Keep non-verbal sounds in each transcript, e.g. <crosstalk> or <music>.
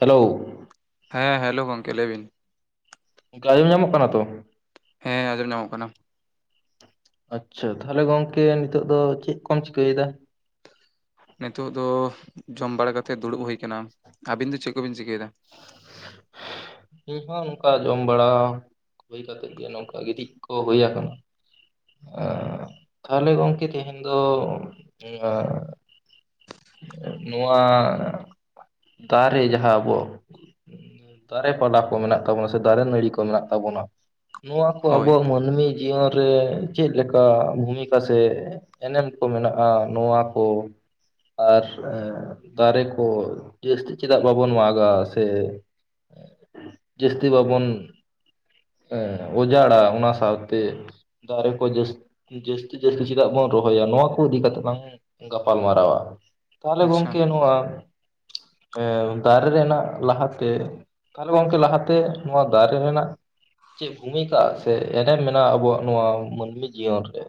Hello. ᱦᱮᱸ, hello ᱜᱚᱝᱠᱮ ᱞᱟᱹᱭ ᱵᱤᱱ᱾ ᱜᱚᱝᱠᱮ ᱟᱢᱚᱢ ᱧᱟᱢᱚᱜ ᱠᱟᱱᱟ ᱛᱚ? ᱦᱮᱸ ᱟᱸᱡᱚᱢ ᱧᱟᱢᱚᱜ ᱠᱟᱱᱟ᱾ ᱟᱪᱪᱷᱟ, ᱛᱟᱦᱚᱞᱮ ᱜᱚᱝᱠᱮ ᱱᱤᱛᱚᱜ ᱫᱚ ᱪᱮᱫ ᱠᱚᱢ ᱪᱤᱠᱟᱹᱭ ᱫᱟ? ᱱᱤᱛᱚᱜ ᱫᱚ ᱡᱚᱢ ᱵᱟᱲᱟ ᱠᱟᱛᱮᱫ ᱫᱩᱲᱩᱵ ᱦᱩᱭ ᱠᱟᱱᱟ, ᱟᱹᱵᱤᱱ ᱫᱚ ᱪᱮᱫ ᱠᱚᱵᱤᱱ ᱪᱤᱠᱟᱹᱭ ᱫᱟ? <inaudible> ᱤᱧ ᱦᱚᱸ ᱱᱚᱱᱠᱟ ᱡᱚᱢ ᱵᱟᱲᱟᱼᱼ ᱦᱩᱭ ᱠᱟᱛᱮᱫ ᱜᱮ ᱱᱚᱝᱠᱟ ᱜᱤᱛᱤᱡ ᱠᱚ ᱦᱩᱭ ᱟᱠᱟᱱᱟ᱾ ᱮ ᱛᱟᱦᱚᱞᱮ ᱜᱚᱝᱠᱮ ᱛᱮᱦᱮᱧ ᱫᱚ ᱚᱱᱟᱼᱼ ᱱᱚᱣᱟ ᱫᱟᱨᱮ ᱡᱟᱦᱟᱸ ᱟᱵᱚᱼᱼ ᱫᱟᱨᱮ ᱯᱟᱞᱟ ᱠᱚ ᱢᱮᱱᱟᱜ ᱛᱟᱵᱚᱱᱟ ᱥᱮ ᱫᱟᱨᱮ ᱱᱟᱹᱲᱤ ᱠᱚ ᱢᱮᱱᱟᱜ ᱛᱟᱵᱚᱱᱟᱼᱼ ᱱᱚᱣᱟ ᱠᱚ ᱦᱳᱭ ᱟᱵᱚᱣᱟᱜ ᱢᱟᱹᱱᱢᱤ ᱡᱤᱭᱚᱱ ᱨᱮ ᱪᱮᱫ ᱞᱮᱠᱟ ᱵᱷᱩᱢᱤᱠᱟ ᱥᱮᱼᱼ ᱮᱱᱮᱢ ᱠᱚ ᱢᱮᱱᱟᱜᱼᱟ ᱱᱚᱣᱟ ᱠᱚᱼᱼ ᱟᱨ ᱮ ᱫᱟᱨᱮ ᱠᱚ ᱡᱟᱹᱥᱛᱤ ᱪᱮᱫᱟᱜ ᱵᱟᱵᱚᱱ ᱢᱟᱜᱟ ᱥᱮᱼᱼ ᱥᱮ ᱡᱟᱹᱥᱛᱤ ᱵᱟᱵᱚᱱᱼᱼ ᱦᱮᱸ ᱚᱡᱟᱲᱟ ᱚᱱᱟ ᱥᱟᱶ ᱛᱮᱼᱼ ᱫᱟᱨᱮ ᱠᱚ ᱡᱟᱹᱥ ᱡᱟᱹᱥᱛᱤ ᱡᱟᱹᱥᱛᱤ ᱪᱮᱫᱟᱜ ᱵᱚᱱ ᱨᱚᱦᱚᱭᱟ ᱱᱚᱣᱟ ᱠᱚ ᱤᱫᱤ ᱠᱟᱛᱮ ᱞᱟᱝᱼᱼ ᱜᱟᱯᱟᱞ ᱢᱟᱨᱟᱣᱟ ᱛᱟᱦᱞᱮ ᱟᱪᱪᱷᱟ ᱜᱚᱝᱠᱮ ᱱᱚᱣᱟ ᱮ ᱫᱟᱨᱮ ᱨᱮᱱᱟᱜᱼᱼ ᱞᱟᱦᱟᱛᱮ ᱛᱟᱦᱚᱞᱮ ᱜᱚᱝᱠᱮ ᱞᱟᱦᱟᱛᱮ ᱱᱚᱣᱟ ᱫᱟᱨᱮ ᱨᱮᱱᱟᱜᱼᱼ ᱪᱮᱫ ᱵᱷᱩᱢᱤᱠᱟ ᱥᱮ ᱮᱱᱮᱢ ᱢᱮᱱᱟᱜᱼᱟ ᱟᱵᱚᱣᱟᱜ ᱱᱚᱣᱟ ᱢᱟᱹᱱᱢᱤ ᱡᱤᱭᱚᱱ ᱨᱮᱼᱼ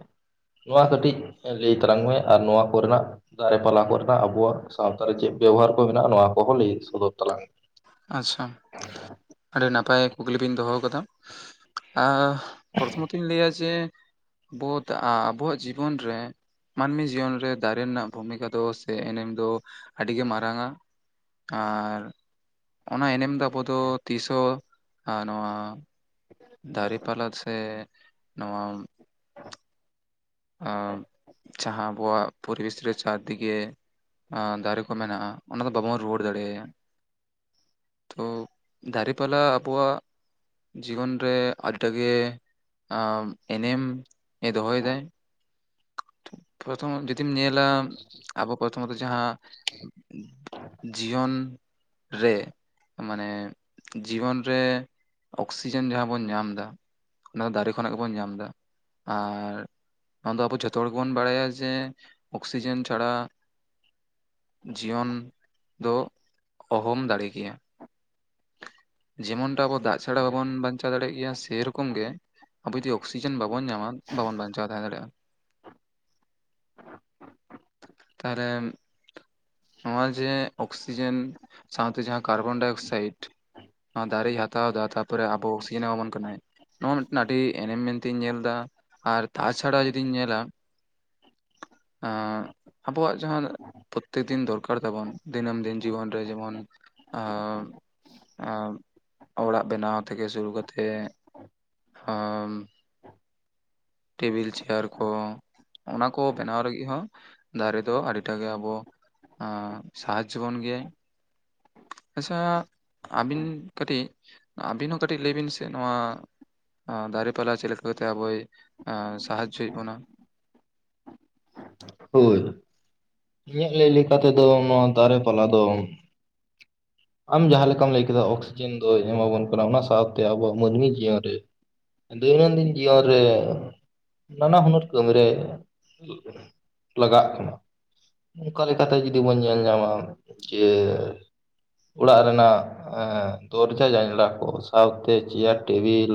ᱱᱚᱣᱟ ᱠᱟᱹᱴᱤᱡ ᱞᱟᱹᱭ ᱛᱞᱟᱝ ᱢᱮ ᱟᱨ ᱱᱚᱣᱟ ᱠᱚᱨᱮᱱᱟᱜᱼᱼ ᱫᱟᱨᱮ ᱯᱟᱞᱟ ᱠᱚᱨᱮᱱᱟᱜ ᱟᱵᱩᱣᱟᱜ ᱥᱟᱶᱛᱟ ᱨᱮ ᱪᱮᱫ ᱵᱮᱵᱚᱦᱟᱨ ᱠᱚ ᱢᱮᱱᱟᱜᱼᱟ ᱱᱚᱣᱟ ᱠᱚᱦᱚᱸ ᱞᱟᱹᱭ ᱥᱚᱫᱚᱨ ᱛᱟᱞᱟᱝ ᱢᱮ? ᱟᱪᱪᱷᱟ᱾ ᱟᱪᱪᱷᱟ᱾ ᱟᱹᱰᱤ ᱱᱟᱯᱟᱭ ᱠᱩᱠᱞᱤ ᱵᱤᱧ ᱫᱚᱦᱚ ᱠᱟᱫᱟ ᱟᱼᱼ ᱯᱨᱚᱛᱷᱚᱢᱚᱛᱚᱧ ᱞᱟᱹᱭᱟ ᱡᱮ ᱵᱳᱫᱼᱟ ᱟᱵᱚᱣᱟᱜ ᱡᱤᱵᱚᱱ ᱨᱮᱼᱼ ᱢᱟᱹᱱᱢᱤ ᱡᱤᱭᱚᱱ ᱨᱮ ᱫᱟᱨᱮ ᱨᱮᱱᱟᱜ ᱵᱷᱩᱢᱤᱠᱟ ᱫᱚ ᱮᱱᱮᱢ ᱟᱹᱰᱤ ᱜᱮ ᱢᱟᱨᱟᱝᱟ᱾ ᱟᱨᱻ ᱚᱱᱟ ᱮᱱᱮᱢ ᱫᱚ ᱟᱵᱚ ᱫᱚ ᱛᱤᱥ ᱦᱚᱸ ᱟ ᱱᱚᱣᱟ ᱫᱟᱨᱮᱯᱟᱞᱟ ᱥᱮ ᱱᱚᱣᱟ ᱡᱟᱦᱟᱸ ᱟᱵᱚᱣᱟᱜ ᱯᱚᱨᱤᱵᱮᱥ ᱨᱮ ᱪᱟᱨ ᱫᱤᱜᱮ ᱟ ᱫᱟᱨᱮ ᱠᱚ ᱢᱮᱱᱟᱜ-ᱟ ᱚᱱᱟ ᱫᱚ ᱵᱟᱵᱚᱱ ᱨᱩᱣᱟᱹᱲ ᱫᱟᱲᱮ ᱟᱭᱟ᱾ ᱛᱚ ᱫᱟᱨᱮᱯᱟᱞᱟ ᱟᱵᱚᱣᱟᱜ ᱡᱤᱭᱚᱱ ᱨᱮ ᱟᱹᱰᱤᱴᱟ ᱜᱮ ᱮᱱᱮᱢ ᱮ ᱫᱚᱦᱚᱭ ᱫᱟᱭ᱾ ᱯᱨᱚᱛᱷᱚᱢᱚᱜ ᱡᱩᱫᱤᱢ ᱧᱮᱞᱟ ᱟᱵᱚ ᱯᱨᱚᱛᱷᱚᱢᱚᱛᱚ ᱡᱟᱦᱟᱸ ᱡᱤᱭᱚᱱ ᱨᱮ ᱢᱟᱱᱮ ᱡᱤᱵᱚᱱ ᱨᱮ ᱚᱠᱥᱤᱡᱮᱱ ᱡᱟᱦᱟᱸ ᱵᱚᱱ ᱧᱟᱢ ᱫᱟ ᱚᱱᱟ ᱫᱚ ᱫᱟᱨᱮ ᱠᱷᱚᱱᱟᱜ ᱜᱮᱵᱚᱱ ᱧᱟᱢ ᱫᱟ ᱟᱨ ᱚᱱᱟ ᱫᱚ ᱟᱵᱚ ᱡᱷᱚᱛᱚ ᱦᱚᱲ ᱜᱮᱵᱚᱱ ᱵᱟᱲᱟᱭᱟ ᱡᱮ ᱚᱠᱥᱤᱡᱮᱱ ᱪᱷᱟᱲᱟ ᱡᱤᱭᱚᱱ ᱫᱚ ᱚᱦᱚᱢ ᱫᱟᱲᱮ ᱠᱮᱭᱟ, ᱡᱮᱢᱚᱱᱴᱟ ᱟᱵᱚ ᱫᱟᱜ ᱪᱷᱟᱲᱟ ᱵᱟᱵᱚᱱ ᱵᱟᱧᱪᱟᱣ ᱫᱟᱲᱮ-ᱜ ᱜᱮᱭᱟ ᱥᱮᱨᱚᱠᱚᱢ ᱜᱮ ᱟᱵᱚ ᱡᱩᱫᱤ ᱚᱠᱥᱤᱡᱮᱱ ᱵᱟᱵᱚᱱ ᱧᱟᱢᱟ ᱵᱟᱵᱚᱱ ᱵᱟᱧᱪᱟᱣ ᱛᱟᱦᱮᱸ ᱫᱟᱲᱮᱜ-ᱟ᱾ ᱠᱟᱨᱮᱢ ᱱᱚᱜᱚᱭ ᱡᱮ ᱚᱠᱥᱤᱡᱮᱱ ᱥᱟᱶᱛᱮ ᱡᱟᱦᱟᱸ ᱠᱟᱨᱵᱚᱱᱰᱟᱭ ᱚᱠᱥᱟᱭᱤᱰ, ᱱᱚᱣᱟ ᱫᱟᱨᱮᱭ ᱦᱟᱛᱟᱣ ᱮᱫᱟ ᱛᱟᱯᱚᱨᱮ ᱟᱵᱚ ᱚᱠᱥᱤᱡᱮᱱ ᱮ ᱮᱢᱟᱵᱚᱱ ᱠᱟᱱᱟᱭ, ᱱᱚᱣᱟ ᱢᱤᱫᱴᱮᱱ ᱟᱹᱰᱤ ᱮᱱᱮᱢ ᱢᱮᱱᱛᱮᱧ ᱧᱮᱞ ᱫᱟ ᱟᱨ ᱛᱟᱪᱷᱟᱲᱟ ᱡᱩᱫᱤᱧ ᱧᱮᱞᱟ, ᱟᱸ ᱟᱵᱚᱣᱟᱜ ᱡᱟᱦᱟᱸ ᱯᱚᱛᱛᱮᱠ ᱫᱤᱱ ᱫᱚᱨᱠᱟᱨ ᱛᱟᱵᱚᱱ ᱫᱤᱱᱟᱹᱢ ᱫᱤᱱ ᱡᱤᱵᱚᱱ ᱨᱮ ᱡᱮᱢᱚᱱ ᱟᱸ ᱟᱸ ᱚᱲᱟᱜ ᱵᱮᱱᱟᱣ ᱛᱷᱠᱮ ᱥᱩᱨᱩ ᱠᱟᱛᱮᱜ, ᱦᱚᱢ ᱴᱤᱵᱤᱞ ᱪᱮᱭᱟᱨ ᱠᱚ, ᱚᱱᱟ ᱠᱚ ᱵᱮᱱᱟᱣ ᱨᱟᱹᱜᱤᱜ ᱦᱚᱸ ᱫᱟᱨᱮ ᱫᱚ ᱟᱰᱤᱴᱟ ᱜᱮ ᱟᱵᱚ ᱟᱸ ᱥᱟᱦᱟᱡᱡᱚ ᱵᱚᱱ ᱜᱮᱭᱟᱭ ᱟᱪᱷᱟ ᱟᱵᱤᱱ ᱠᱟᱴᱤᱡ ᱟᱵᱤᱱ ᱦᱚᱸ ᱠᱟᱹᱴᱤᱡ ᱞᱟᱹᱭ ᱵᱤᱱ ᱥᱮ ᱱᱚᱣᱟ ᱟ ᱫᱟᱨᱮ ᱯᱟᱞᱟ ᱪᱮᱫ ᱞᱮᱠᱟ ᱠᱟᱛᱮᱭ ᱟᱵᱚᱭ ᱥᱟᱦᱟᱡᱡᱳᱭᱮᱜ ᱵᱚᱱᱟ? ᱦᱳᱭ ᱤᱧᱟᱹᱜ ᱞᱟᱹᱭ ᱞᱮᱠᱟ ᱛᱮᱫᱚ ᱱᱚᱣᱟ ᱫᱟᱨᱮ ᱯᱟᱞᱟ ᱫᱚᱢ ᱟᱢ ᱡᱟᱦᱟᱸ ᱞᱮᱠᱟᱢ ᱞᱟᱹᱭ ᱠᱮᱫᱟ ᱚᱠᱥᱤᱡᱮᱱ ᱫᱚᱭ ᱮᱢᱟᱵᱚᱱ ᱠᱟᱱᱟ ᱚᱱᱟ ᱥᱟᱶᱛᱮ ᱟᱵᱚᱣᱟᱜ ᱢᱟᱹᱱᱢᱤ ᱡᱤᱭᱚᱱ ᱨᱮ ᱫᱳᱭᱱᱚᱱᱫᱤᱱ ᱡᱤᱭᱚᱱ ᱨᱮ ᱱᱟᱱᱟ ᱦᱩᱱᱟᱹᱨ ᱠᱟᱹᱢᱤ ᱨᱮ ᱞᱟᱜᱟᱜ ᱠᱟᱱᱟ᱾ ᱚᱝᱠᱟ ᱞᱮᱠᱟᱛᱮ ᱡᱩᱫᱤ ᱵᱚᱱ ᱧᱮᱞ ᱧᱟᱢᱟ ᱡᱮ ᱚᱲᱟᱜ ᱨᱮᱱᱟᱜ ᱮᱻ ᱫᱚᱨᱡᱟ ᱡᱟᱸᱧᱞᱟ ᱠᱚ ᱥᱟᱶᱛᱮ ᱪᱮᱭᱟᱨ ᱴᱮᱵᱤᱞ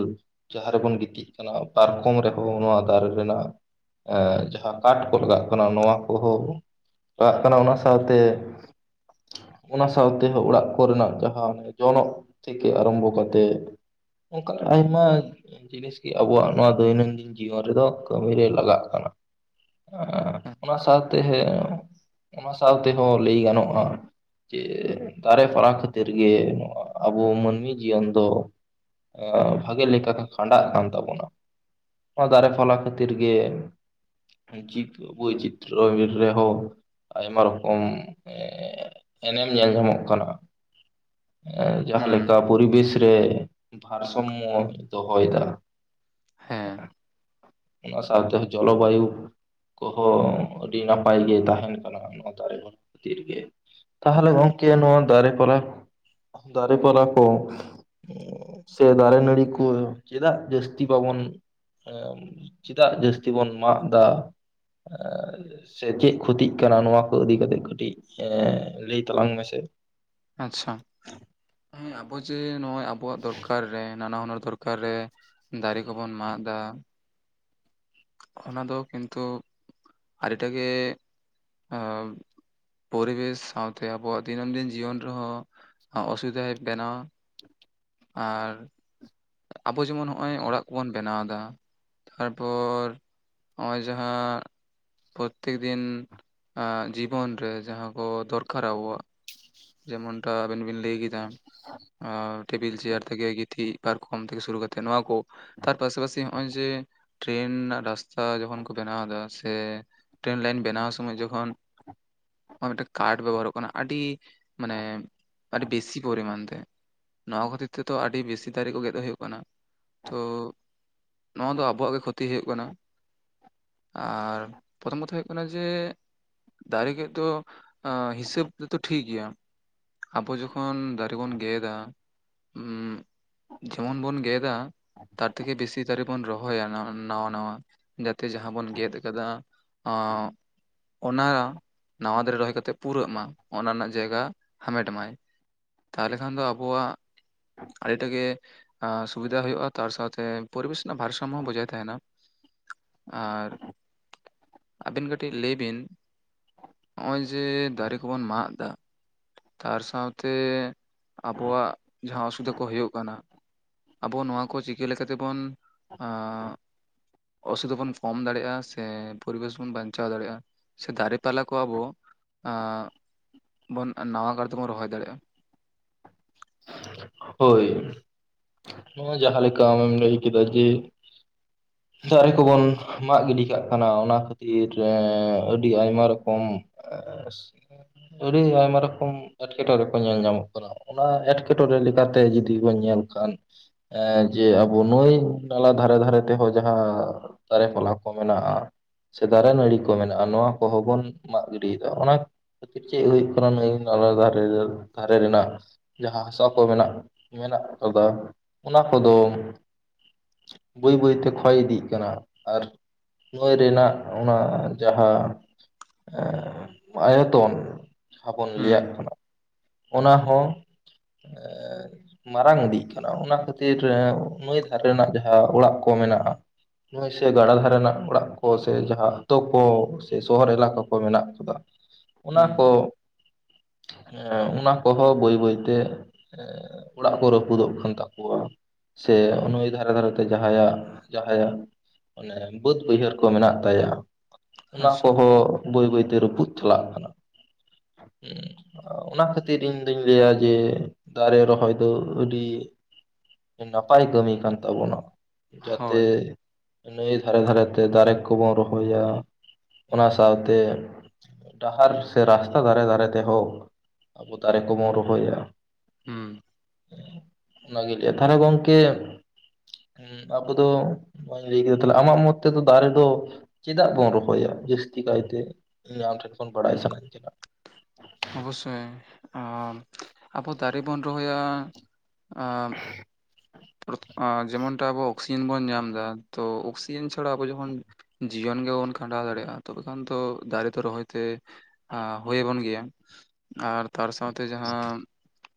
ᱡᱟᱦᱟᱸ ᱨᱮᱵᱚᱱ ᱜᱤᱛᱤᱡ ᱠᱟᱱᱟ ᱯᱟᱨᱠᱚᱢ ᱨᱮᱦᱚᱸ ᱱᱚᱣᱟ ᱫᱟᱨᱮ ᱨᱮᱱᱟᱜ ᱮᱻ ᱡᱟᱦᱟᱸ ᱠᱟᱴᱷ ᱠᱚ ᱞᱟᱜᱟᱜ ᱠᱟᱱᱟ ᱱᱚᱣᱟ ᱠᱳᱦᱳ ᱞᱟᱜᱟᱜ ᱠᱟᱱᱟ ᱚᱱᱟ ᱥᱟᱶᱛᱮ ᱚᱱᱟ ᱥᱟᱶ ᱛᱮ ᱦᱚᱸ ᱚᱲᱟᱜ ᱠᱚᱨᱮᱱᱟᱜ ᱡᱟᱦᱟᱸ ᱡᱚᱱᱚᱜ ᱛᱷᱮᱠᱮ ᱟᱨᱟᱢᱵᱚ ᱠᱟᱛᱮᱜ ᱚᱝᱠᱟ ᱱᱟᱜ ᱟᱭᱢᱟ ᱡᱤᱱᱤᱥ ᱜᱮ ᱟᱵᱚᱣᱟᱜ ᱱᱚᱣᱟ ᱫᱳᱭᱱᱚᱱ ᱫᱤᱱ ᱡᱤᱭᱚᱱ ᱨᱮᱫᱚ ᱠᱟᱹᱢᱤ ᱨᱮᱭ ᱞᱟᱜᱟᱜ ᱠᱟᱱᱟ᱾ ᱟᱻ ᱚᱱᱟ ᱥᱟᱶᱛᱮ ᱚᱱᱟ ᱥᱟᱣ ᱛᱮᱷᱚᱸ ᱞᱟᱹᱭ ᱜᱟᱱᱚᱜ-ᱟ ᱡᱮ ᱫᱟᱨᱮ ᱯᱟᱲᱟ ᱠᱷᱟᱹᱛᱤᱨ ᱜᱮ ᱱᱚᱣᱟ ᱟᱵᱚ ᱢᱟᱹᱱᱢᱤ ᱡᱤᱭᱚᱱ ᱫᱚ ᱟᱸᱻ ᱵᱷᱟᱜᱮ ᱞᱮᱠᱟᱛᱮ ᱠᱷᱟᱸᱰᱟᱜ ᱠᱟᱱ ᱛᱟᱵᱚᱱᱟ᱾ ᱚᱱᱟ ᱫᱟᱨᱮ ᱯᱷᱞᱟ ᱠᱷᱟᱹᱛᱤᱨ ᱜᱮᱼᱼ ᱪᱤᱛ ᱵᱭᱪᱤᱛᱛᱨᱚᱭ ᱵᱤᱨ ᱨᱮᱦᱚᱸᱼᱼ ᱟᱭᱢᱟ ᱨᱚᱠᱚᱢ ᱮᱻ ᱮᱱᱮᱢ ᱧᱮᱞ ᱧᱟᱢᱚᱜ ᱠᱟᱱᱟ ᱮᱻ ᱡᱟᱦᱟᱸ ᱦᱩᱸ ᱞᱮᱠᱟ ᱯᱚᱨᱤᱵᱮᱥ ᱨᱮ ᱵᱷᱟᱨ ᱥᱚᱢᱢᱚ ᱫᱚᱦᱚᱭ ᱫᱟ ᱾ ᱦᱮᱸ <inaudible> ᱚᱱᱟ ᱥᱟᱶ ᱛᱮᱦᱚᱸ ᱡᱚᱞᱚ ᱵᱟᱭᱩᱼᱼ ᱠᱚᱦᱚᱸ ᱟᱹᱰᱤ ᱱᱟᱯᱟᱭ ᱜᱮ ᱛᱟᱦᱮᱸᱱ ᱠᱟᱱᱟ ᱱᱚᱣᱟ ᱫᱟᱨᱮ ᱱᱚᱣᱟ ᱫᱟᱨᱮ ᱱᱟᱹᱲᱤ ᱠᱷᱟᱹᱛᱤᱨ ᱜᱮ ᱾ ᱛᱟᱦᱟᱞᱮ ᱜᱚᱢᱠᱮ ᱱᱚᱣᱟ ᱫᱟᱨᱮ ᱯᱟᱞᱟ ᱫᱟᱨᱮ ᱯᱟᱞᱟ ᱠᱚᱼᱼ ᱩᱸᱻᱻ ᱥᱮ ᱫᱟᱨᱮ ᱱᱟᱹᱲᱤ ᱠᱚ ᱪᱮᱫᱟᱜ ᱡᱟᱹᱥᱛᱤ ᱵᱟᱵᱚᱱ ᱮᱜᱼᱼ <inaudible> ᱪᱮᱫᱟᱜ ᱡᱟᱹᱥᱛᱤ ᱵᱚᱱ ᱢᱟᱜ ᱫᱟᱼᱼ ᱥᱮ ᱪᱮᱜ ᱠᱷᱚᱛᱤᱜ ᱠᱟᱱᱟ ᱱᱚᱣᱟ ᱠᱚ ᱤᱫᱤ ᱠᱟᱛᱮᱜ ᱠᱟᱹᱴᱤᱡ ᱞᱟᱹᱭ ᱛᱟᱞᱟᱝ ᱢᱮᱥᱼᱼ <inaudible> ᱟᱪᱪᱷᱟ, ᱦᱮᱸ ᱟᱵᱚ ᱡᱮ ᱱᱚᱜ-ᱚᱭ ᱟᱵᱚᱣᱟᱜ ᱫᱚᱨᱠᱟᱨ ᱨᱮ ᱱᱟᱱᱟᱦᱩᱱᱟᱹᱨ ᱫᱚᱨ ᱚᱠᱟᱨᱮ ᱫᱟᱨᱮ ᱠᱚᱵᱚᱱ ᱢᱟᱜ ᱮᱫᱟ᱾ ᱚᱱᱟ ᱫᱚ ᱠᱤᱱᱛᱩ ᱟᱹᱰᱤᱴᱟᱜ ᱮᱜ ᱯᱚᱨᱤᱵᱮᱥ ᱥᱟᱶᱛᱮ ᱟᱵᱚᱣᱟᱜ ᱫᱤᱱᱟᱹᱢ ᱫᱤᱱ ᱡᱤᱭᱚᱱ ᱨᱮᱦᱚᱸ ᱚᱥᱩᱵᱤᱫᱷᱟ ᱵᱮᱱᱟᱣ ᱟᱨ, ᱟᱵᱚ ᱡᱮᱢᱚᱱ ᱱᱚᱜ-ᱚᱭ ᱚᱲᱟᱜ ᱠᱚᱵᱚᱱ ᱵᱮᱱᱟᱣᱫᱟ᱾ ᱛᱟᱨᱯᱚᱨ ᱱᱚᱜ-ᱚᱭ ᱡᱟᱦᱟᱸ ᱯᱨᱚᱛᱤᱫᱤᱱ ᱟᱻ ᱡᱤᱵᱚᱱ ᱨᱮ ᱡᱟᱦᱟᱸ ᱠᱚ ᱫᱚᱨᱠᱟᱨᱟ ᱟᱵᱚᱣᱟᱜ, ᱡᱮᱢᱚᱱᱴᱟ ᱟᱵᱤᱱ ᱵᱤᱱ ᱞᱟᱹᱭ ᱠᱮᱫᱟ᱾ <inaudible> ᱟᱻ ᱴᱮᱵᱤᱞ ᱪᱮᱭᱟᱨ ᱛᱷᱮᱠᱮ ᱜᱤᱛᱤᱡ ᱯᱟᱨᱠᱚᱢ ᱛᱷᱮᱠᱮ ᱥᱩᱨᱩ ᱠᱟᱛᱮᱜ ᱱᱚᱣᱟ ᱠᱚ ᱛᱟᱨ ᱯᱟᱥᱟᱯᱟᱥᱤ ᱱᱚᱜ-ᱚᱭ ᱡᱮ ᱴᱨᱮᱱ ᱨᱟᱥᱛᱟ ᱡᱚᱠᱷᱚᱱ ᱠᱚ ᱴᱟᱱᱟᱶ ᱮᱫᱟ ᱥᱮ ᱴᱨᱮᱱ ᱞᱟᱭᱤᱱ ᱵᱮᱱᱟᱣ ᱥᱚᱢᱚᱭ ᱡᱚᱠᱷᱚᱱ ᱢᱤᱫᱴᱮᱱ ᱠᱟᱴ ᱵᱮᱵᱚᱦᱟᱨᱚᱜ ᱠᱟᱱᱟ ᱟᱹᱰᱤ ᱢᱟᱱᱮ ᱟᱹᱰᱤ ᱵᱮᱥᱤ ᱯᱚᱨᱤᱢᱟᱱ ᱛᱮ᱾ ᱱᱚᱣᱟ ᱠᱷᱟᱹᱛᱤᱨ ᱛᱮᱫᱚ ᱟᱹᱰᱤ ᱵᱮᱥᱤ ᱫᱟᱨᱮ ᱠᱚ ᱜᱮᱫ ᱦᱩᱭᱩᱜ ᱠᱟᱱᱟ ᱛᱚ, ᱱᱚᱣᱟ ᱫᱚ ᱟᱵᱚᱣᱟᱜ ᱜᱮ ᱠᱷᱚᱛᱤ ᱦᱩᱭᱩᱜ ᱠᱟᱱᱟ᱾ ᱟᱨ ᱯᱨᱚᱛᱷᱚᱢ ᱠᱟᱛᱷᱟ ᱦᱩᱭᱩᱜ ᱠᱟᱱᱟ ᱡᱮ, ᱫᱟᱨᱮ ᱜᱮᱫ ᱫᱚ ᱦᱤᱥᱟᱹᱵ ᱛᱮᱛᱚ ᱴᱷᱤᱠ ᱜᱮᱭᱟ᱾ ᱟᱵᱚ ᱡᱚᱠᱷᱚᱱ ᱫᱟᱨᱮ ᱵᱚᱱ ᱜᱮᱫᱟ ᱡᱮᱢᱚᱱ ᱵᱚᱱ ᱜᱮᱫᱟ᱾ ᱛᱟ ᱛᱷᱮᱠᱮ ᱵᱮᱥᱤ ᱫᱟᱨᱮ ᱵᱚᱱ ᱨᱚᱦᱚᱭᱟ ᱱᱟᱣᱟ ᱱᱟᱣᱟ ᱡᱟᱛᱮ ᱡᱟᱦᱟᱸ ᱵᱚᱱ ᱜᱮᱫ ᱠᱟᱫᱟ᱾ ᱚᱱᱟ ᱱᱟᱣᱟ ᱫᱟᱨᱮ ᱨᱚᱦᱚᱭ ᱠᱟᱛᱮᱫ ᱯᱩᱨᱟᱹᱜ ᱢᱟ ᱚᱱᱟ ᱨᱮᱱᱟᱜ ᱡᱟᱭᱜᱟ ᱦᱟᱢᱮᱴ ᱢᱟᱭ ᱛᱟᱦᱚᱞᱮ ᱠᱷᱟᱱ ᱫᱚ ᱟᱵᱚᱣᱟᱜ ᱟᱹᱰᱤ ᱴᱟᱜ ᱜᱮ ᱥᱩᱵᱤᱫᱷᱟ ᱦᱩᱭᱩᱜ-ᱟ᱾ ᱛᱟᱨ ᱥᱟᱶᱛᱮ ᱯᱚᱨᱤᱵᱮᱥ ᱨᱮᱱᱟᱜ ᱵᱷᱟᱨ ᱥᱟᱢ ᱦᱚᱸ ᱵᱚᱡᱟᱭ ᱛᱟᱦᱮᱱᱟ᱾ ᱟᱨ, ᱟᱹᱵᱤᱱ ᱠᱟᱹᱴᱤᱡᱽ ᱞᱟᱹᱭ ᱵᱤᱱ ᱱᱚᱜ-ᱚᱭ ᱡᱮ ᱫᱟᱨᱮ ᱠᱚᱵᱚᱱ ᱢᱟᱜ ᱮᱫᱟ᱾ ᱛᱟᱨ ᱥᱟᱶᱛᱮ ᱟᱵᱚᱣᱟᱜ ᱡᱟᱦᱟᱸ ᱚᱥᱩᱵᱤᱫᱷᱟ ᱠᱚ ᱦᱩᱭᱩᱜ ᱠᱟᱱᱟ᱾ ᱟᱵᱚ ᱱᱚᱣᱟ ᱠᱚ ᱪᱤᱠᱟᱹ ᱞᱮᱠᱟᱛᱮᱵᱚᱱ ᱟᱸᱜ ᱚᱥᱩᱵᱤᱫᱷᱟ ᱵᱚᱱ ᱠᱚᱢ ᱫᱟᱲᱮᱭᱟᱜ-ᱟ᱾ ᱥᱮ ᱯᱚᱨᱤᱵᱮᱥ ᱵᱚᱱ ᱵᱟᱧᱪᱟᱣ ᱫᱟᱲᱮᱭᱟᱜ-ᱟ᱾ ᱥᱮ ᱫᱟᱨᱮ ᱯᱟᱞᱟ ᱠᱚ ᱟᱵᱚ ᱟᱸᱜ ᱱᱟᱣᱟ ᱠᱟᱨ ᱛᱮᱵᱚᱱ ᱨᱚᱦᱚᱭ ᱫᱟᱲᱮᱭᱟᱜ-ᱟ᱾ ᱦᱳᱭ ᱱᱚᱣᱟ ᱡᱟᱦᱟᱸ ᱞᱮᱠᱟ ᱟᱢᱮᱢ ᱞᱟᱹᱭ ᱠᱮᱫᱟ ᱡᱮ, <inaudible> ᱫᱟᱨᱮ ᱠᱚᱵᱚᱱ ᱢᱟᱜ ᱜᱤᱰᱤ ᱠᱟᱜ ᱠᱟᱱᱟ᱾ ᱚᱱᱟ ᱠᱷᱟᱹᱛᱤᱨ ᱟᱹᱰᱤ ᱟᱭᱢᱟ ᱨᱚᱠᱚᱢ, <unintelligible> ᱟᱹᱰᱤ ᱟᱭᱢᱟ ᱨᱚᱠᱚᱢ ᱮᱸᱴᱠᱮᱴᱚᱬᱮ ᱠᱚ ᱧᱮᱞ ᱧᱟᱢᱚᱜ ᱠᱟᱱᱟ, ᱚᱱᱟ ᱮᱸᱴᱠᱮᱴᱚᱬᱮ <unintelligible> ᱞᱮᱠᱟᱛᱮ ᱡᱩᱫᱤ ᱵᱚᱱ ᱧᱮᱞ ᱠᱷᱟᱱ ᱮᱸ ᱡᱮ ᱟᱵᱚ ᱱᱩᱭ ᱱᱟᱞᱟ ᱫᱷᱟᱨᱮ ᱫᱷᱟᱨᱮ ᱛᱮᱦᱚᱸ ᱡᱟᱦᱟᱸ ᱫᱟᱨᱮ ᱯᱟᱞᱟ ᱠᱚ ᱢᱮᱱᱟᱜ-ᱟ᱾ ᱥᱮ ᱫᱟᱨᱮ ᱱᱟᱹᱲᱤ ᱠᱚ ᱢᱮᱱᱟᱜ-ᱟ᱾ ᱱᱚᱣᱟ ᱠᱚᱦᱚᱸ ᱵᱚᱱ ᱢᱟᱜ ᱜᱤᱰᱤᱭᱮᱫᱟ ᱚᱱᱟ ᱠᱷᱟᱹᱛᱤᱨ ᱪᱮᱫ ᱦᱩᱭᱩᱜ ᱠᱟᱱᱟ᱾ᱱᱟᱹᱭ ᱱᱟᱞᱟ ᱫᱷᱟᱨᱮ ᱫᱷᱟᱨᱮ ᱨᱮᱱᱟᱜ ᱡᱟᱦᱟᱸ ᱦᱟ, <unintelligible> ᱢᱮᱱᱟᱜ ᱠᱟᱫᱟ ᱚᱱᱟ ᱠᱚᱫᱚ ᱵᱟᱹᱭ ᱵᱟᱹᱭᱛᱮ ᱠᱷᱚᱭ ᱤᱫᱤᱜ ᱠᱟᱱᱟ ᱟᱨ ᱱᱟᱹᱭ ᱨᱮᱱᱟᱜ ᱚᱱᱟ ᱡᱟᱦᱟᱸ <unintelligible> ᱟᱭᱚᱛᱚᱱ ᱡᱟᱦᱟᱸᱵᱚᱱ ᱞᱟᱹᱭᱟᱜ ᱦᱩᱸ ᱠᱟᱱᱟ ᱚᱱᱟ ᱦᱚᱸ <inaudible> ᱮᱸ ᱢᱟᱨᱟᱝ ᱤᱫᱤᱜ ᱠᱟᱱᱟ ᱚᱱᱟ ᱠᱷᱟᱹᱛᱤᱨ ᱱᱟᱹᱭ ᱫᱷᱟᱨᱮ ᱨᱮᱱᱟᱜ ᱡᱟᱦᱟᱸ ᱚᱲᱟᱜ ᱠᱚ ᱢᱮᱱᱟᱜ-ᱟ᱾ ᱱᱟᱹᱭ ᱥᱮ ᱜᱟᱰᱟ ᱫᱷᱟᱨᱮ ᱨᱮᱱᱟᱜ ᱚᱲᱟᱜ ᱠᱚ ᱥᱮ ᱡᱟᱦᱟᱸ ᱟᱛᱳ ᱠᱚ ᱥᱮ ᱥᱚᱦᱚᱨ ᱮᱞᱟᱠᱟ ᱠᱚ ᱢᱮᱱᱟᱜ ᱠᱟᱫᱟ᱾ <inaudible> ᱚᱱᱟ ᱠᱚ ᱚᱱᱟ ᱠᱚᱦᱚᱸ ᱵᱟᱹᱭ ᱵᱟᱹᱭᱛᱮ ᱚᱲᱟᱜ ᱠᱚ ᱨᱟᱹᱯᱩᱫᱚᱜ ᱠᱟᱱ ᱛᱟᱠᱚᱣᱟ ᱥᱮ ᱱᱩᱭ ᱫᱷᱟᱨᱮ ᱫᱷᱟᱨᱮ ᱛᱮ ᱡᱟᱦᱟᱸᱭᱟᱜ ᱡᱟᱦᱟᱸᱭᱟᱜ ᱚᱱᱮ ᱵᱟᱹᱫᱽ ᱵᱟᱹᱭᱦᱟᱹᱲ ᱠᱚ ᱢᱮᱱᱟᱜ ᱟᱪᱪᱷᱟ ᱠᱚᱦᱚᱸ ᱵᱳᱭ ᱵᱟᱹᱭᱛᱮ ᱨᱯᱩᱫ ᱪᱟᱞᱟᱜ ᱠᱟᱱᱟ᱾ ᱩᱸ ᱚᱱᱟ ᱠᱷᱟᱹᱛᱤᱨ ᱤᱧ ᱫᱩᱧ ᱞᱟᱹᱭᱟ ᱡᱮ ᱫᱟᱨᱮ ᱨᱚᱦᱚᱭ ᱫᱚ ᱟᱹᱰᱤ ᱱᱟᱯᱟᱭ ᱠᱟᱹᱢᱤ ᱠᱟᱱ ᱛᱟᱵᱚᱱᱟ᱾ ᱡᱟᱛᱮ ᱦᱳᱭ ᱱᱟᱹᱭ ᱫᱷᱟᱨᱮ ᱫᱷᱟᱨᱮ ᱛᱮ ᱫᱟᱨᱮ ᱠᱚᱵᱚᱱ ᱨᱚᱦᱚᱭᱟ ᱚᱱᱟ ᱥᱟᱶᱛᱮ ᱰᱟᱦᱟᱨ ᱥᱮ ᱨᱟᱥᱛᱟ ᱫᱟᱨᱮ ᱫᱟᱨᱮ ᱛᱮᱦᱚᱸ ᱟᱵᱚ ᱫᱟᱨᱮ ᱠᱚᱵᱚᱱ ᱨᱚᱦᱚᱭᱟ ᱦᱩᱸ᱾ ᱚᱱᱟᱜ ᱞᱟᱹᱭ, ᱛᱟᱦᱚᱞᱮ ᱜᱚᱢᱠᱮ ᱟᱵᱟᱫᱚ <unintelligible> ᱞᱟᱹᱭ ᱠᱮᱫᱟ ᱛᱟᱦᱞᱮ ᱟᱢᱟᱜ ᱢᱚᱛ ᱛᱮᱫᱚ ᱫᱟᱨᱮ ᱫᱚ ᱪᱮᱫᱟᱜ ᱵᱚᱱ ᱨᱚᱦᱚᱭᱟ ᱡᱟᱹᱛᱤ ᱠᱟᱭᱛᱮ᱾ ᱤᱧ ᱟᱢ ᱴᱷᱮᱱ ᱠᱷᱚᱱ ᱵᱟᱲᱟᱭ ᱥᱟᱱᱟᱧ ᱠᱟᱱᱟ᱾ ᱚᱵᱚᱥᱥᱳᱭ ᱟᱵᱳ ᱫᱟᱨᱮ ᱵᱚᱱ ᱨᱚᱦᱚᱭᱟ ᱟᱻ ᱡᱮᱢᱚᱱᱴᱟ ᱟᱵᱚ ᱚᱠᱥᱤᱡᱮᱱ ᱵᱚᱱ ᱧᱟᱢ ᱫᱟ ᱛᱚ ᱚᱠᱥᱤᱡᱮᱱ ᱪᱷᱟᱲᱟ ᱟᱵᱚ ᱡᱚᱠᱷᱚᱱ ᱡᱤᱭᱚᱱ ᱜᱮ ᱵᱟᱵᱚᱱ ᱠᱷᱟᱸᱰᱟᱣ ᱛᱚᱵᱮ ᱠᱷᱟᱱ ᱫᱚ ᱫᱟᱨᱮ ᱫᱚ ᱨᱚᱦᱚᱭᱛᱮ ᱟᱸᱦᱩᱭ ᱟᱵᱚᱱ ᱜᱮᱭᱟ ᱟᱨ ᱛᱟᱨ ᱥᱟᱶᱛᱮ ᱡᱟᱦᱟᱸ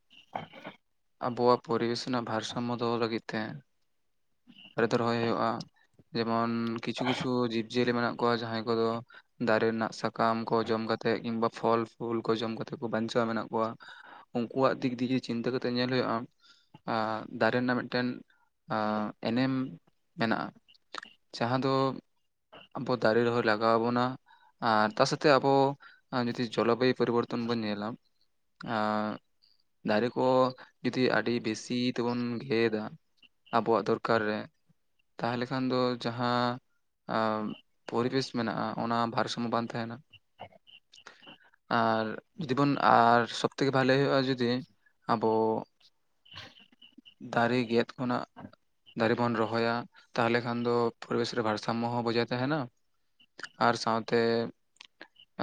<unintelligible> ᱟᱵᱚᱣᱟᱜ ᱯᱚᱨᱤᱵᱮᱥ ᱨᱮᱱᱟᱜ ᱵᱷᱟᱨ ᱥᱟᱢᱢᱚᱫᱚ ᱞᱟᱹᱜᱤᱫ ᱛᱮ, ᱫᱟᱨᱮ ᱨᱚᱦᱚᱭ ᱦᱩᱭᱩᱜᱼᱟ᱾ ᱡᱮᱢᱚᱱ ᱠᱤᱪᱷᱩ ᱠᱤᱪᱷᱩ ᱡᱤᱵᱽᱡᱤᱭᱟᱹᱞᱤ ᱢᱮᱱᱟᱜ ᱠᱚᱣᱟ ᱡᱟᱦᱟᱸᱭ ᱠᱚᱫᱚ ᱫᱟᱨᱮ ᱨᱮᱱᱟᱜ ᱥᱟᱠᱟᱢ ᱠᱚ ᱡᱚᱢ ᱠᱟᱛᱮ ᱮᱫ ᱠᱤᱢᱵᱟ ᱯᱷᱚᱞ ᱯᱷᱩᱞ ᱠᱚ ᱡᱚᱢ ᱠᱟᱛᱮᱮᱫ ᱠᱚ ᱵᱟᱧᱪᱟᱣ ᱢᱮᱱᱟᱜ ᱠᱚᱣᱟ ᱩᱱᱠᱩᱣᱟᱜ ᱫᱤᱠ ᱫᱤᱭᱮ ᱪᱤᱱᱛᱟᱹ ᱠᱟᱛᱮᱜ ᱧᱮᱞ ᱦᱩᱭᱩᱜᱼᱟ᱾ ᱟᱸ ᱫᱟᱨᱮ ᱨᱮᱱᱟᱜ ᱢᱤᱴᱮᱱ ᱮᱱᱮᱢ ᱢᱮᱱᱟᱜᱼᱟ᱾ <unintelligible> ᱡᱟᱜᱟ ᱫᱚ ᱾ ᱟᱵᱚ ᱫᱟᱨᱮ ᱨᱚᱦᱚᱭ ᱞᱟᱜᱟᱣ ᱟᱵᱚᱱᱟ᱾ ᱟᱨ ᱛᱟ ᱥᱟᱷᱛᱮ ᱟᱵᱚ ᱡᱩᱫᱤ ᱡᱚᱞᱚᱵᱟᱭᱩ ᱯᱚᱨᱤᱵᱚᱨᱛᱚᱱ ᱵᱚᱱ ᱧᱮᱞᱟ <unintelligible> ᱫᱟᱨᱮ ᱠᱚ ᱡᱩᱫᱤ ᱟᱹᱰᱤ ᱵᱮᱥᱤ ᱛᱮᱵᱚᱱ ᱜᱮᱫᱟ ᱟᱵᱚᱣᱟᱜ ᱫᱚᱨᱠᱟᱨ ᱨᱮ ᱛᱟᱦᱚᱞᱮ ᱠᱷᱟᱱ ᱫᱚ ᱡᱟᱦᱟᱸ <unintelligible> ᱯᱚᱨᱤᱵᱮᱥ ᱢᱮᱱᱟᱜᱼᱟ᱾ ᱚᱱᱟ ᱵᱷᱟᱨ ᱥᱩᱢᱚ ᱵᱟᱝ ᱛᱟᱦᱮᱱᱟ᱾ ᱟᱨ ᱡᱩᱫᱤ ᱵᱚᱱ ᱟᱨ ᱥᱚᱵ ᱛᱷᱮᱠᱮ ᱵᱷᱟᱞᱮ ᱦᱩᱭᱩᱜᱼᱟ ᱡᱩᱫᱤ ᱟᱵᱚ ᱫᱟᱨᱮ ᱜᱮᱫ ᱠᱷᱚᱱᱟᱜ ᱫᱟᱨᱮ ᱵᱚᱱ ᱨᱚᱦᱚᱭᱟ ᱛᱟᱦᱚᱞᱮ ᱠᱷᱟᱱ ᱫᱚ ᱯᱚᱨᱤᱵᱮᱥ ᱨᱮ ᱵᱷ ᱥᱟᱢᱢᱚᱦᱚ ᱦᱚᱸ ᱵᱚᱡᱟᱣ ᱛᱟᱦᱮᱱᱟ ᱟᱨ ᱥᱟᱶᱛᱮ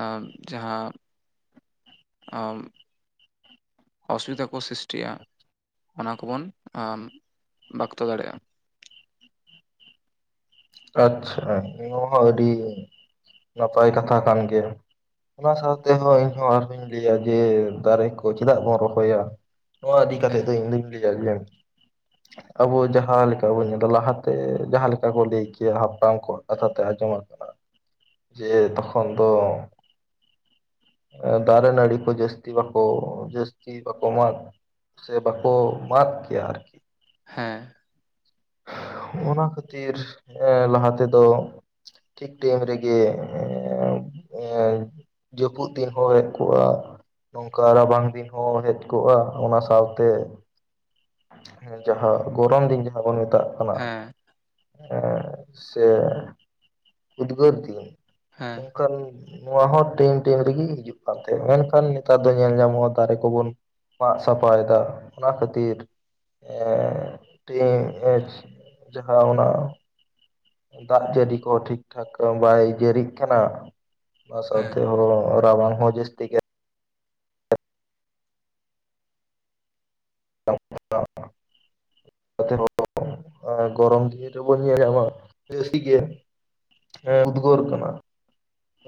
ᱟᱨ ᱡᱟᱦᱟᱸ ᱟᱢ᱾ ᱚᱥᱩᱵᱤᱫᱟ ᱠᱚ ᱥᱨᱤᱥᱴᱤᱜᱼᱟ ᱚᱱᱟ ᱠᱚᱵᱚᱱ ᱵᱟᱠᱛᱚ ᱫᱟᱲᱮᱭᱟᱜᱼᱟ᱾ ᱟᱪᱪᱷᱟ ᱱᱚᱣᱟ ᱦᱚᱸ ᱟᱹᱰᱤ ᱱᱟᱯᱟᱭ ᱠᱟᱛᱷᱟ ᱠᱟᱱ ᱜᱮ ᱚᱱᱟ ᱥᱟᱶᱛᱮᱦᱚᱸ ᱤᱧᱦᱚᱸ ᱟᱨᱦᱚᱧ ᱞᱟᱹᱭᱟ ᱡᱮ ᱫᱟᱨᱮ ᱠᱚ ᱪᱮᱫᱟᱜ ᱵᱚᱱ ᱨᱚᱦᱚᱭᱟ? ᱱᱚᱣᱟ ᱤᱫᱤ ᱠᱟᱛᱮᱫ ᱦᱮᱸ ᱫᱚ ᱤᱧ ᱞᱟ. ᱭ ᱟᱜ ᱜᱮᱭᱟ᱾ ᱟᱵᱚ ᱡᱟᱦᱟᱸ ᱞᱮᱠᱟ ᱵᱚᱱ ᱧᱮᱫᱟ ᱞᱟᱦᱟᱛᱮ ᱡᱟᱦᱟᱸ ᱞᱮᱠᱟ ᱞᱟᱹᱭ ᱾ ᱡᱮ ᱦᱟᱯᱲᱟᱢ ᱠᱚᱣᱟᱜ ᱠᱟᱛᱷᱟ ᱛᱮ ᱟᱸᱡᱚᱢ ᱟᱠᱟᱱᱟ ᱡᱮ ᱛᱚᱠᱷᱚᱱ ᱫᱚ ᱫᱟᱨᱮ ᱱᱟᱹᱲᱤ ᱠᱚ ᱡᱟᱹᱥᱛᱤ ᱵᱟᱠᱚ ᱡᱟᱹᱥᱛᱤ ᱵᱟᱠᱚ ᱢᱟᱜ ᱥᱮ ᱵᱟᱠᱚ ᱢᱟᱜ ᱠᱮᱭᱟ ᱟᱨ ᱦᱮᱸ᱾ ᱚᱱᱟ ᱠᱷᱟᱹᱛᱤᱨ᱾ ᱦᱮᱸ ᱞᱟᱦᱟ ᱛᱮᱫᱚ ᱴᱷᱤᱠ ᱴᱟᱭᱤᱢ ᱨᱮᱜᱮ ᱮ ᱡᱟᱹᱯᱩᱫ ᱫᱤᱱ ᱦᱳᱭ ᱠᱚᱜᱼᱟ᱾ ᱱᱚᱝᱠᱟ ᱨᱟᱵᱟᱝ ᱫᱤᱱ ᱦᱚᱸ ᱦᱮᱡ ᱠᱚᱜᱼᱟ ᱚᱱᱟ ᱥᱟᱶᱛᱮ ᱦᱮᱸ ᱡᱟᱦᱟᱸ ᱜᱚᱨᱚᱢ ᱫᱤᱱ ᱡᱟᱦᱟᱸ ᱵᱚᱱ ᱢᱮᱛᱟᱜ ᱠᱟᱱᱟ ᱦᱮᱸ᱾ ᱥᱮ ᱩᱫᱽᱜᱟᱹᱨ ᱫᱤᱱ ᱦᱮᱸ ᱱᱚᱝᱠᱟᱱ ᱱᱚᱣᱟ ᱦᱚᱸ ᱴᱟᱭᱤᱢ ᱴᱟᱭᱤᱢ ᱨᱮᱜᱮ ᱦᱤᱡᱩᱜ ᱠᱟᱱ ᱛᱟᱦᱮᱸ ᱢᱮᱱᱠᱷᱟᱱ ᱱᱮᱛᱟᱨ ᱫᱚ ᱧᱮᱞ ᱧᱟᱢᱚᱜᱼᱟ ᱚᱠᱟ ᱨᱮ ᱠᱚᱵᱚᱱ ᱢᱟᱜ ᱥᱟᱯᱷᱟᱭ ᱮᱫᱟ ᱚᱱᱟ ᱠᱷᱟᱹᱛᱤᱨ <inaudible> ᱡᱟᱦᱟᱸ ᱚᱱᱟ ᱫᱟᱜ ᱡᱟᱹᱲᱤ ᱠᱚᱦᱚᱸ ᱴᱷᱤᱠ ᱴᱷᱟᱠ ᱵᱟᱭ ᱡᱟᱹᱲᱤᱜ ᱠᱟᱱᱟ ᱚᱱᱟ ᱦᱮᱸ ᱥᱟᱶᱛᱮᱦᱚᱸ ᱨᱟᱵᱟᱝ ᱦᱚᱸ ᱡᱤᱥᱛᱤ ᱜᱮ <inaudible> ᱟᱨ ᱜᱚᱨᱚᱢ ᱫᱤᱱ ᱨᱮᱵᱚᱱ ᱧᱮᱞᱟ ᱟᱵᱚᱣᱟᱜ ᱤᱥᱤ ᱜᱮ ᱦᱮᱸ ᱩᱫᱜᱟᱹᱨ ᱠᱟᱱᱟ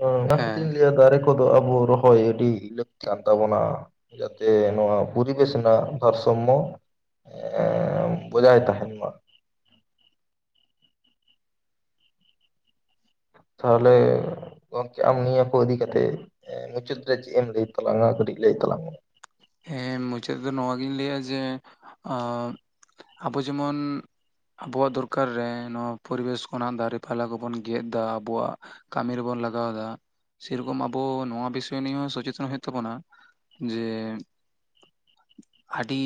ᱚᱱᱟ ᱦᱮᱸ ᱠᱷᱟᱹᱛᱤᱨᱤᱧ ᱞᱟᱹᱭᱟ ᱫᱟᱨᱮ ᱠᱚ ᱟᱵᱚ ᱨᱚᱦᱚᱭ ᱟᱹᱰᱤ ᱞᱟᱹᱠᱛᱤ ᱠᱟᱱ ᱛᱟᱵᱚᱱᱟ ᱡᱟᱛᱮ ᱱᱚᱣᱟ ᱯᱚᱨᱤᱵᱮᱥ ᱨᱮᱱᱟᱜ ᱵᱷᱟᱨᱥᱚᱢᱢᱚ ᱮ ᱵᱚᱡᱟᱭ ᱛᱟᱦᱮᱱ <inaudible> ᱛᱟᱦᱚᱞᱮ ᱜᱚᱝᱠᱮ ᱟᱢ ᱱᱤᱭᱟᱹ ᱠᱚ ᱤᱫᱤ ᱠᱟᱛᱮᱜ ᱢᱩᱪᱟᱹᱫ ᱨᱮ ᱪᱮᱫ ᱮᱢ ᱞᱟᱹᱭ ᱛᱟᱞᱟᱝᱟ ᱠᱟᱹᱴᱤᱡ ᱞᱟᱹᱭ ᱛᱟᱞᱟᱝ ᱢᱮ? ᱦᱮᱸ ᱢᱩᱪᱟᱹᱫ ᱨᱮᱫᱚ ᱱᱚᱣᱟᱜᱤᱧ ᱞᱟᱹᱭᱟ ᱡᱮ ᱟᱵᱚ ᱡᱮᱢᱚᱱ ᱟᱵᱚᱣᱟᱜ ᱫᱚᱨᱠᱟᱨ ᱨᱮ ᱱᱚᱣᱟ ᱯᱚᱨᱤᱵᱮᱥ ᱠᱷᱚᱱᱟᱜ ᱫᱟᱨᱮ ᱯᱟᱞᱟ ᱠᱚᱵᱚᱱ ᱜᱮᱫ ᱫᱟ ᱟᱵᱚᱣᱟᱜ ᱠᱟᱹᱢᱤ ᱨᱮᱵᱚᱱ ᱞᱟᱜᱟᱣᱫᱟ ᱥᱮᱨᱚᱠᱚᱢ ᱟᱵᱚ ᱱᱚᱣᱟ ᱵᱤᱥᱚᱭ ᱱᱤᱭᱮ ᱥᱚᱪᱮᱛᱚᱱ ᱦᱩᱭᱩᱜ ᱛᱟᱵᱚᱱᱟ ᱡᱮ ᱟᱹᱰᱤ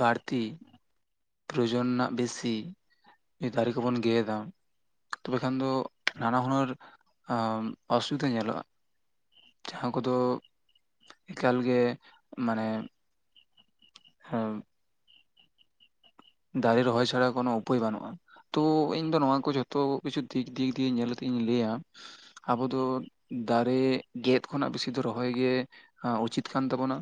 ᱵᱟᱹᱲᱛᱤ ᱯᱨᱚᱭᱳᱡᱚᱱ ᱨᱮᱱᱟᱜ ᱵᱮᱥᱤ ᱫᱟᱨᱮ ᱠᱚᱵᱚᱱ ᱜᱮᱫᱟ᱾ ᱛᱚᱵᱮ ᱠᱷᱟᱱ ᱫᱚ ᱱᱟᱱᱟ ᱦᱩᱱᱟᱹᱨ ᱚᱥᱩᱵᱤᱫᱟ ᱧᱮᱞᱚᱜᱼᱟ᱾ ᱡᱟᱦᱟᱸ ᱠᱚᱫᱚ ᱮᱠᱟᱞ ᱜᱮ ᱢᱟᱱᱮ ᱦᱮᱵ᱾ ᱫᱟᱨᱮ ᱨᱚᱦᱚᱭ ᱪᱷᱟᱲᱟ ᱠᱚᱱᱳ ᱩᱯᱟᱹᱭ ᱵᱟᱹᱱᱩᱜᱼᱟ᱾ ᱛᱚ ᱤᱧᱫᱚ ᱱᱚᱣᱟ ᱠᱚ ᱡᱷᱚᱛᱚ ᱠᱤᱪᱷᱩ ᱫᱤᱠ ᱫᱤᱠ ᱫᱤᱭᱮ ᱧᱮᱞ ᱠᱟᱛᱮᱜ ᱤᱧ ᱞᱟᱹᱭᱟ᱾ ᱟᱵᱚ ᱫᱚ ᱫᱟᱨᱮ ᱜᱮᱫ ᱠᱷᱚᱱᱟᱜ ᱵᱮᱥᱤ ᱫᱚ ᱨᱚᱦᱚᱭ ᱜᱮ ᱩᱪᱤᱛ ᱠᱟᱱ ᱛᱟᱵᱚᱱᱟ᱾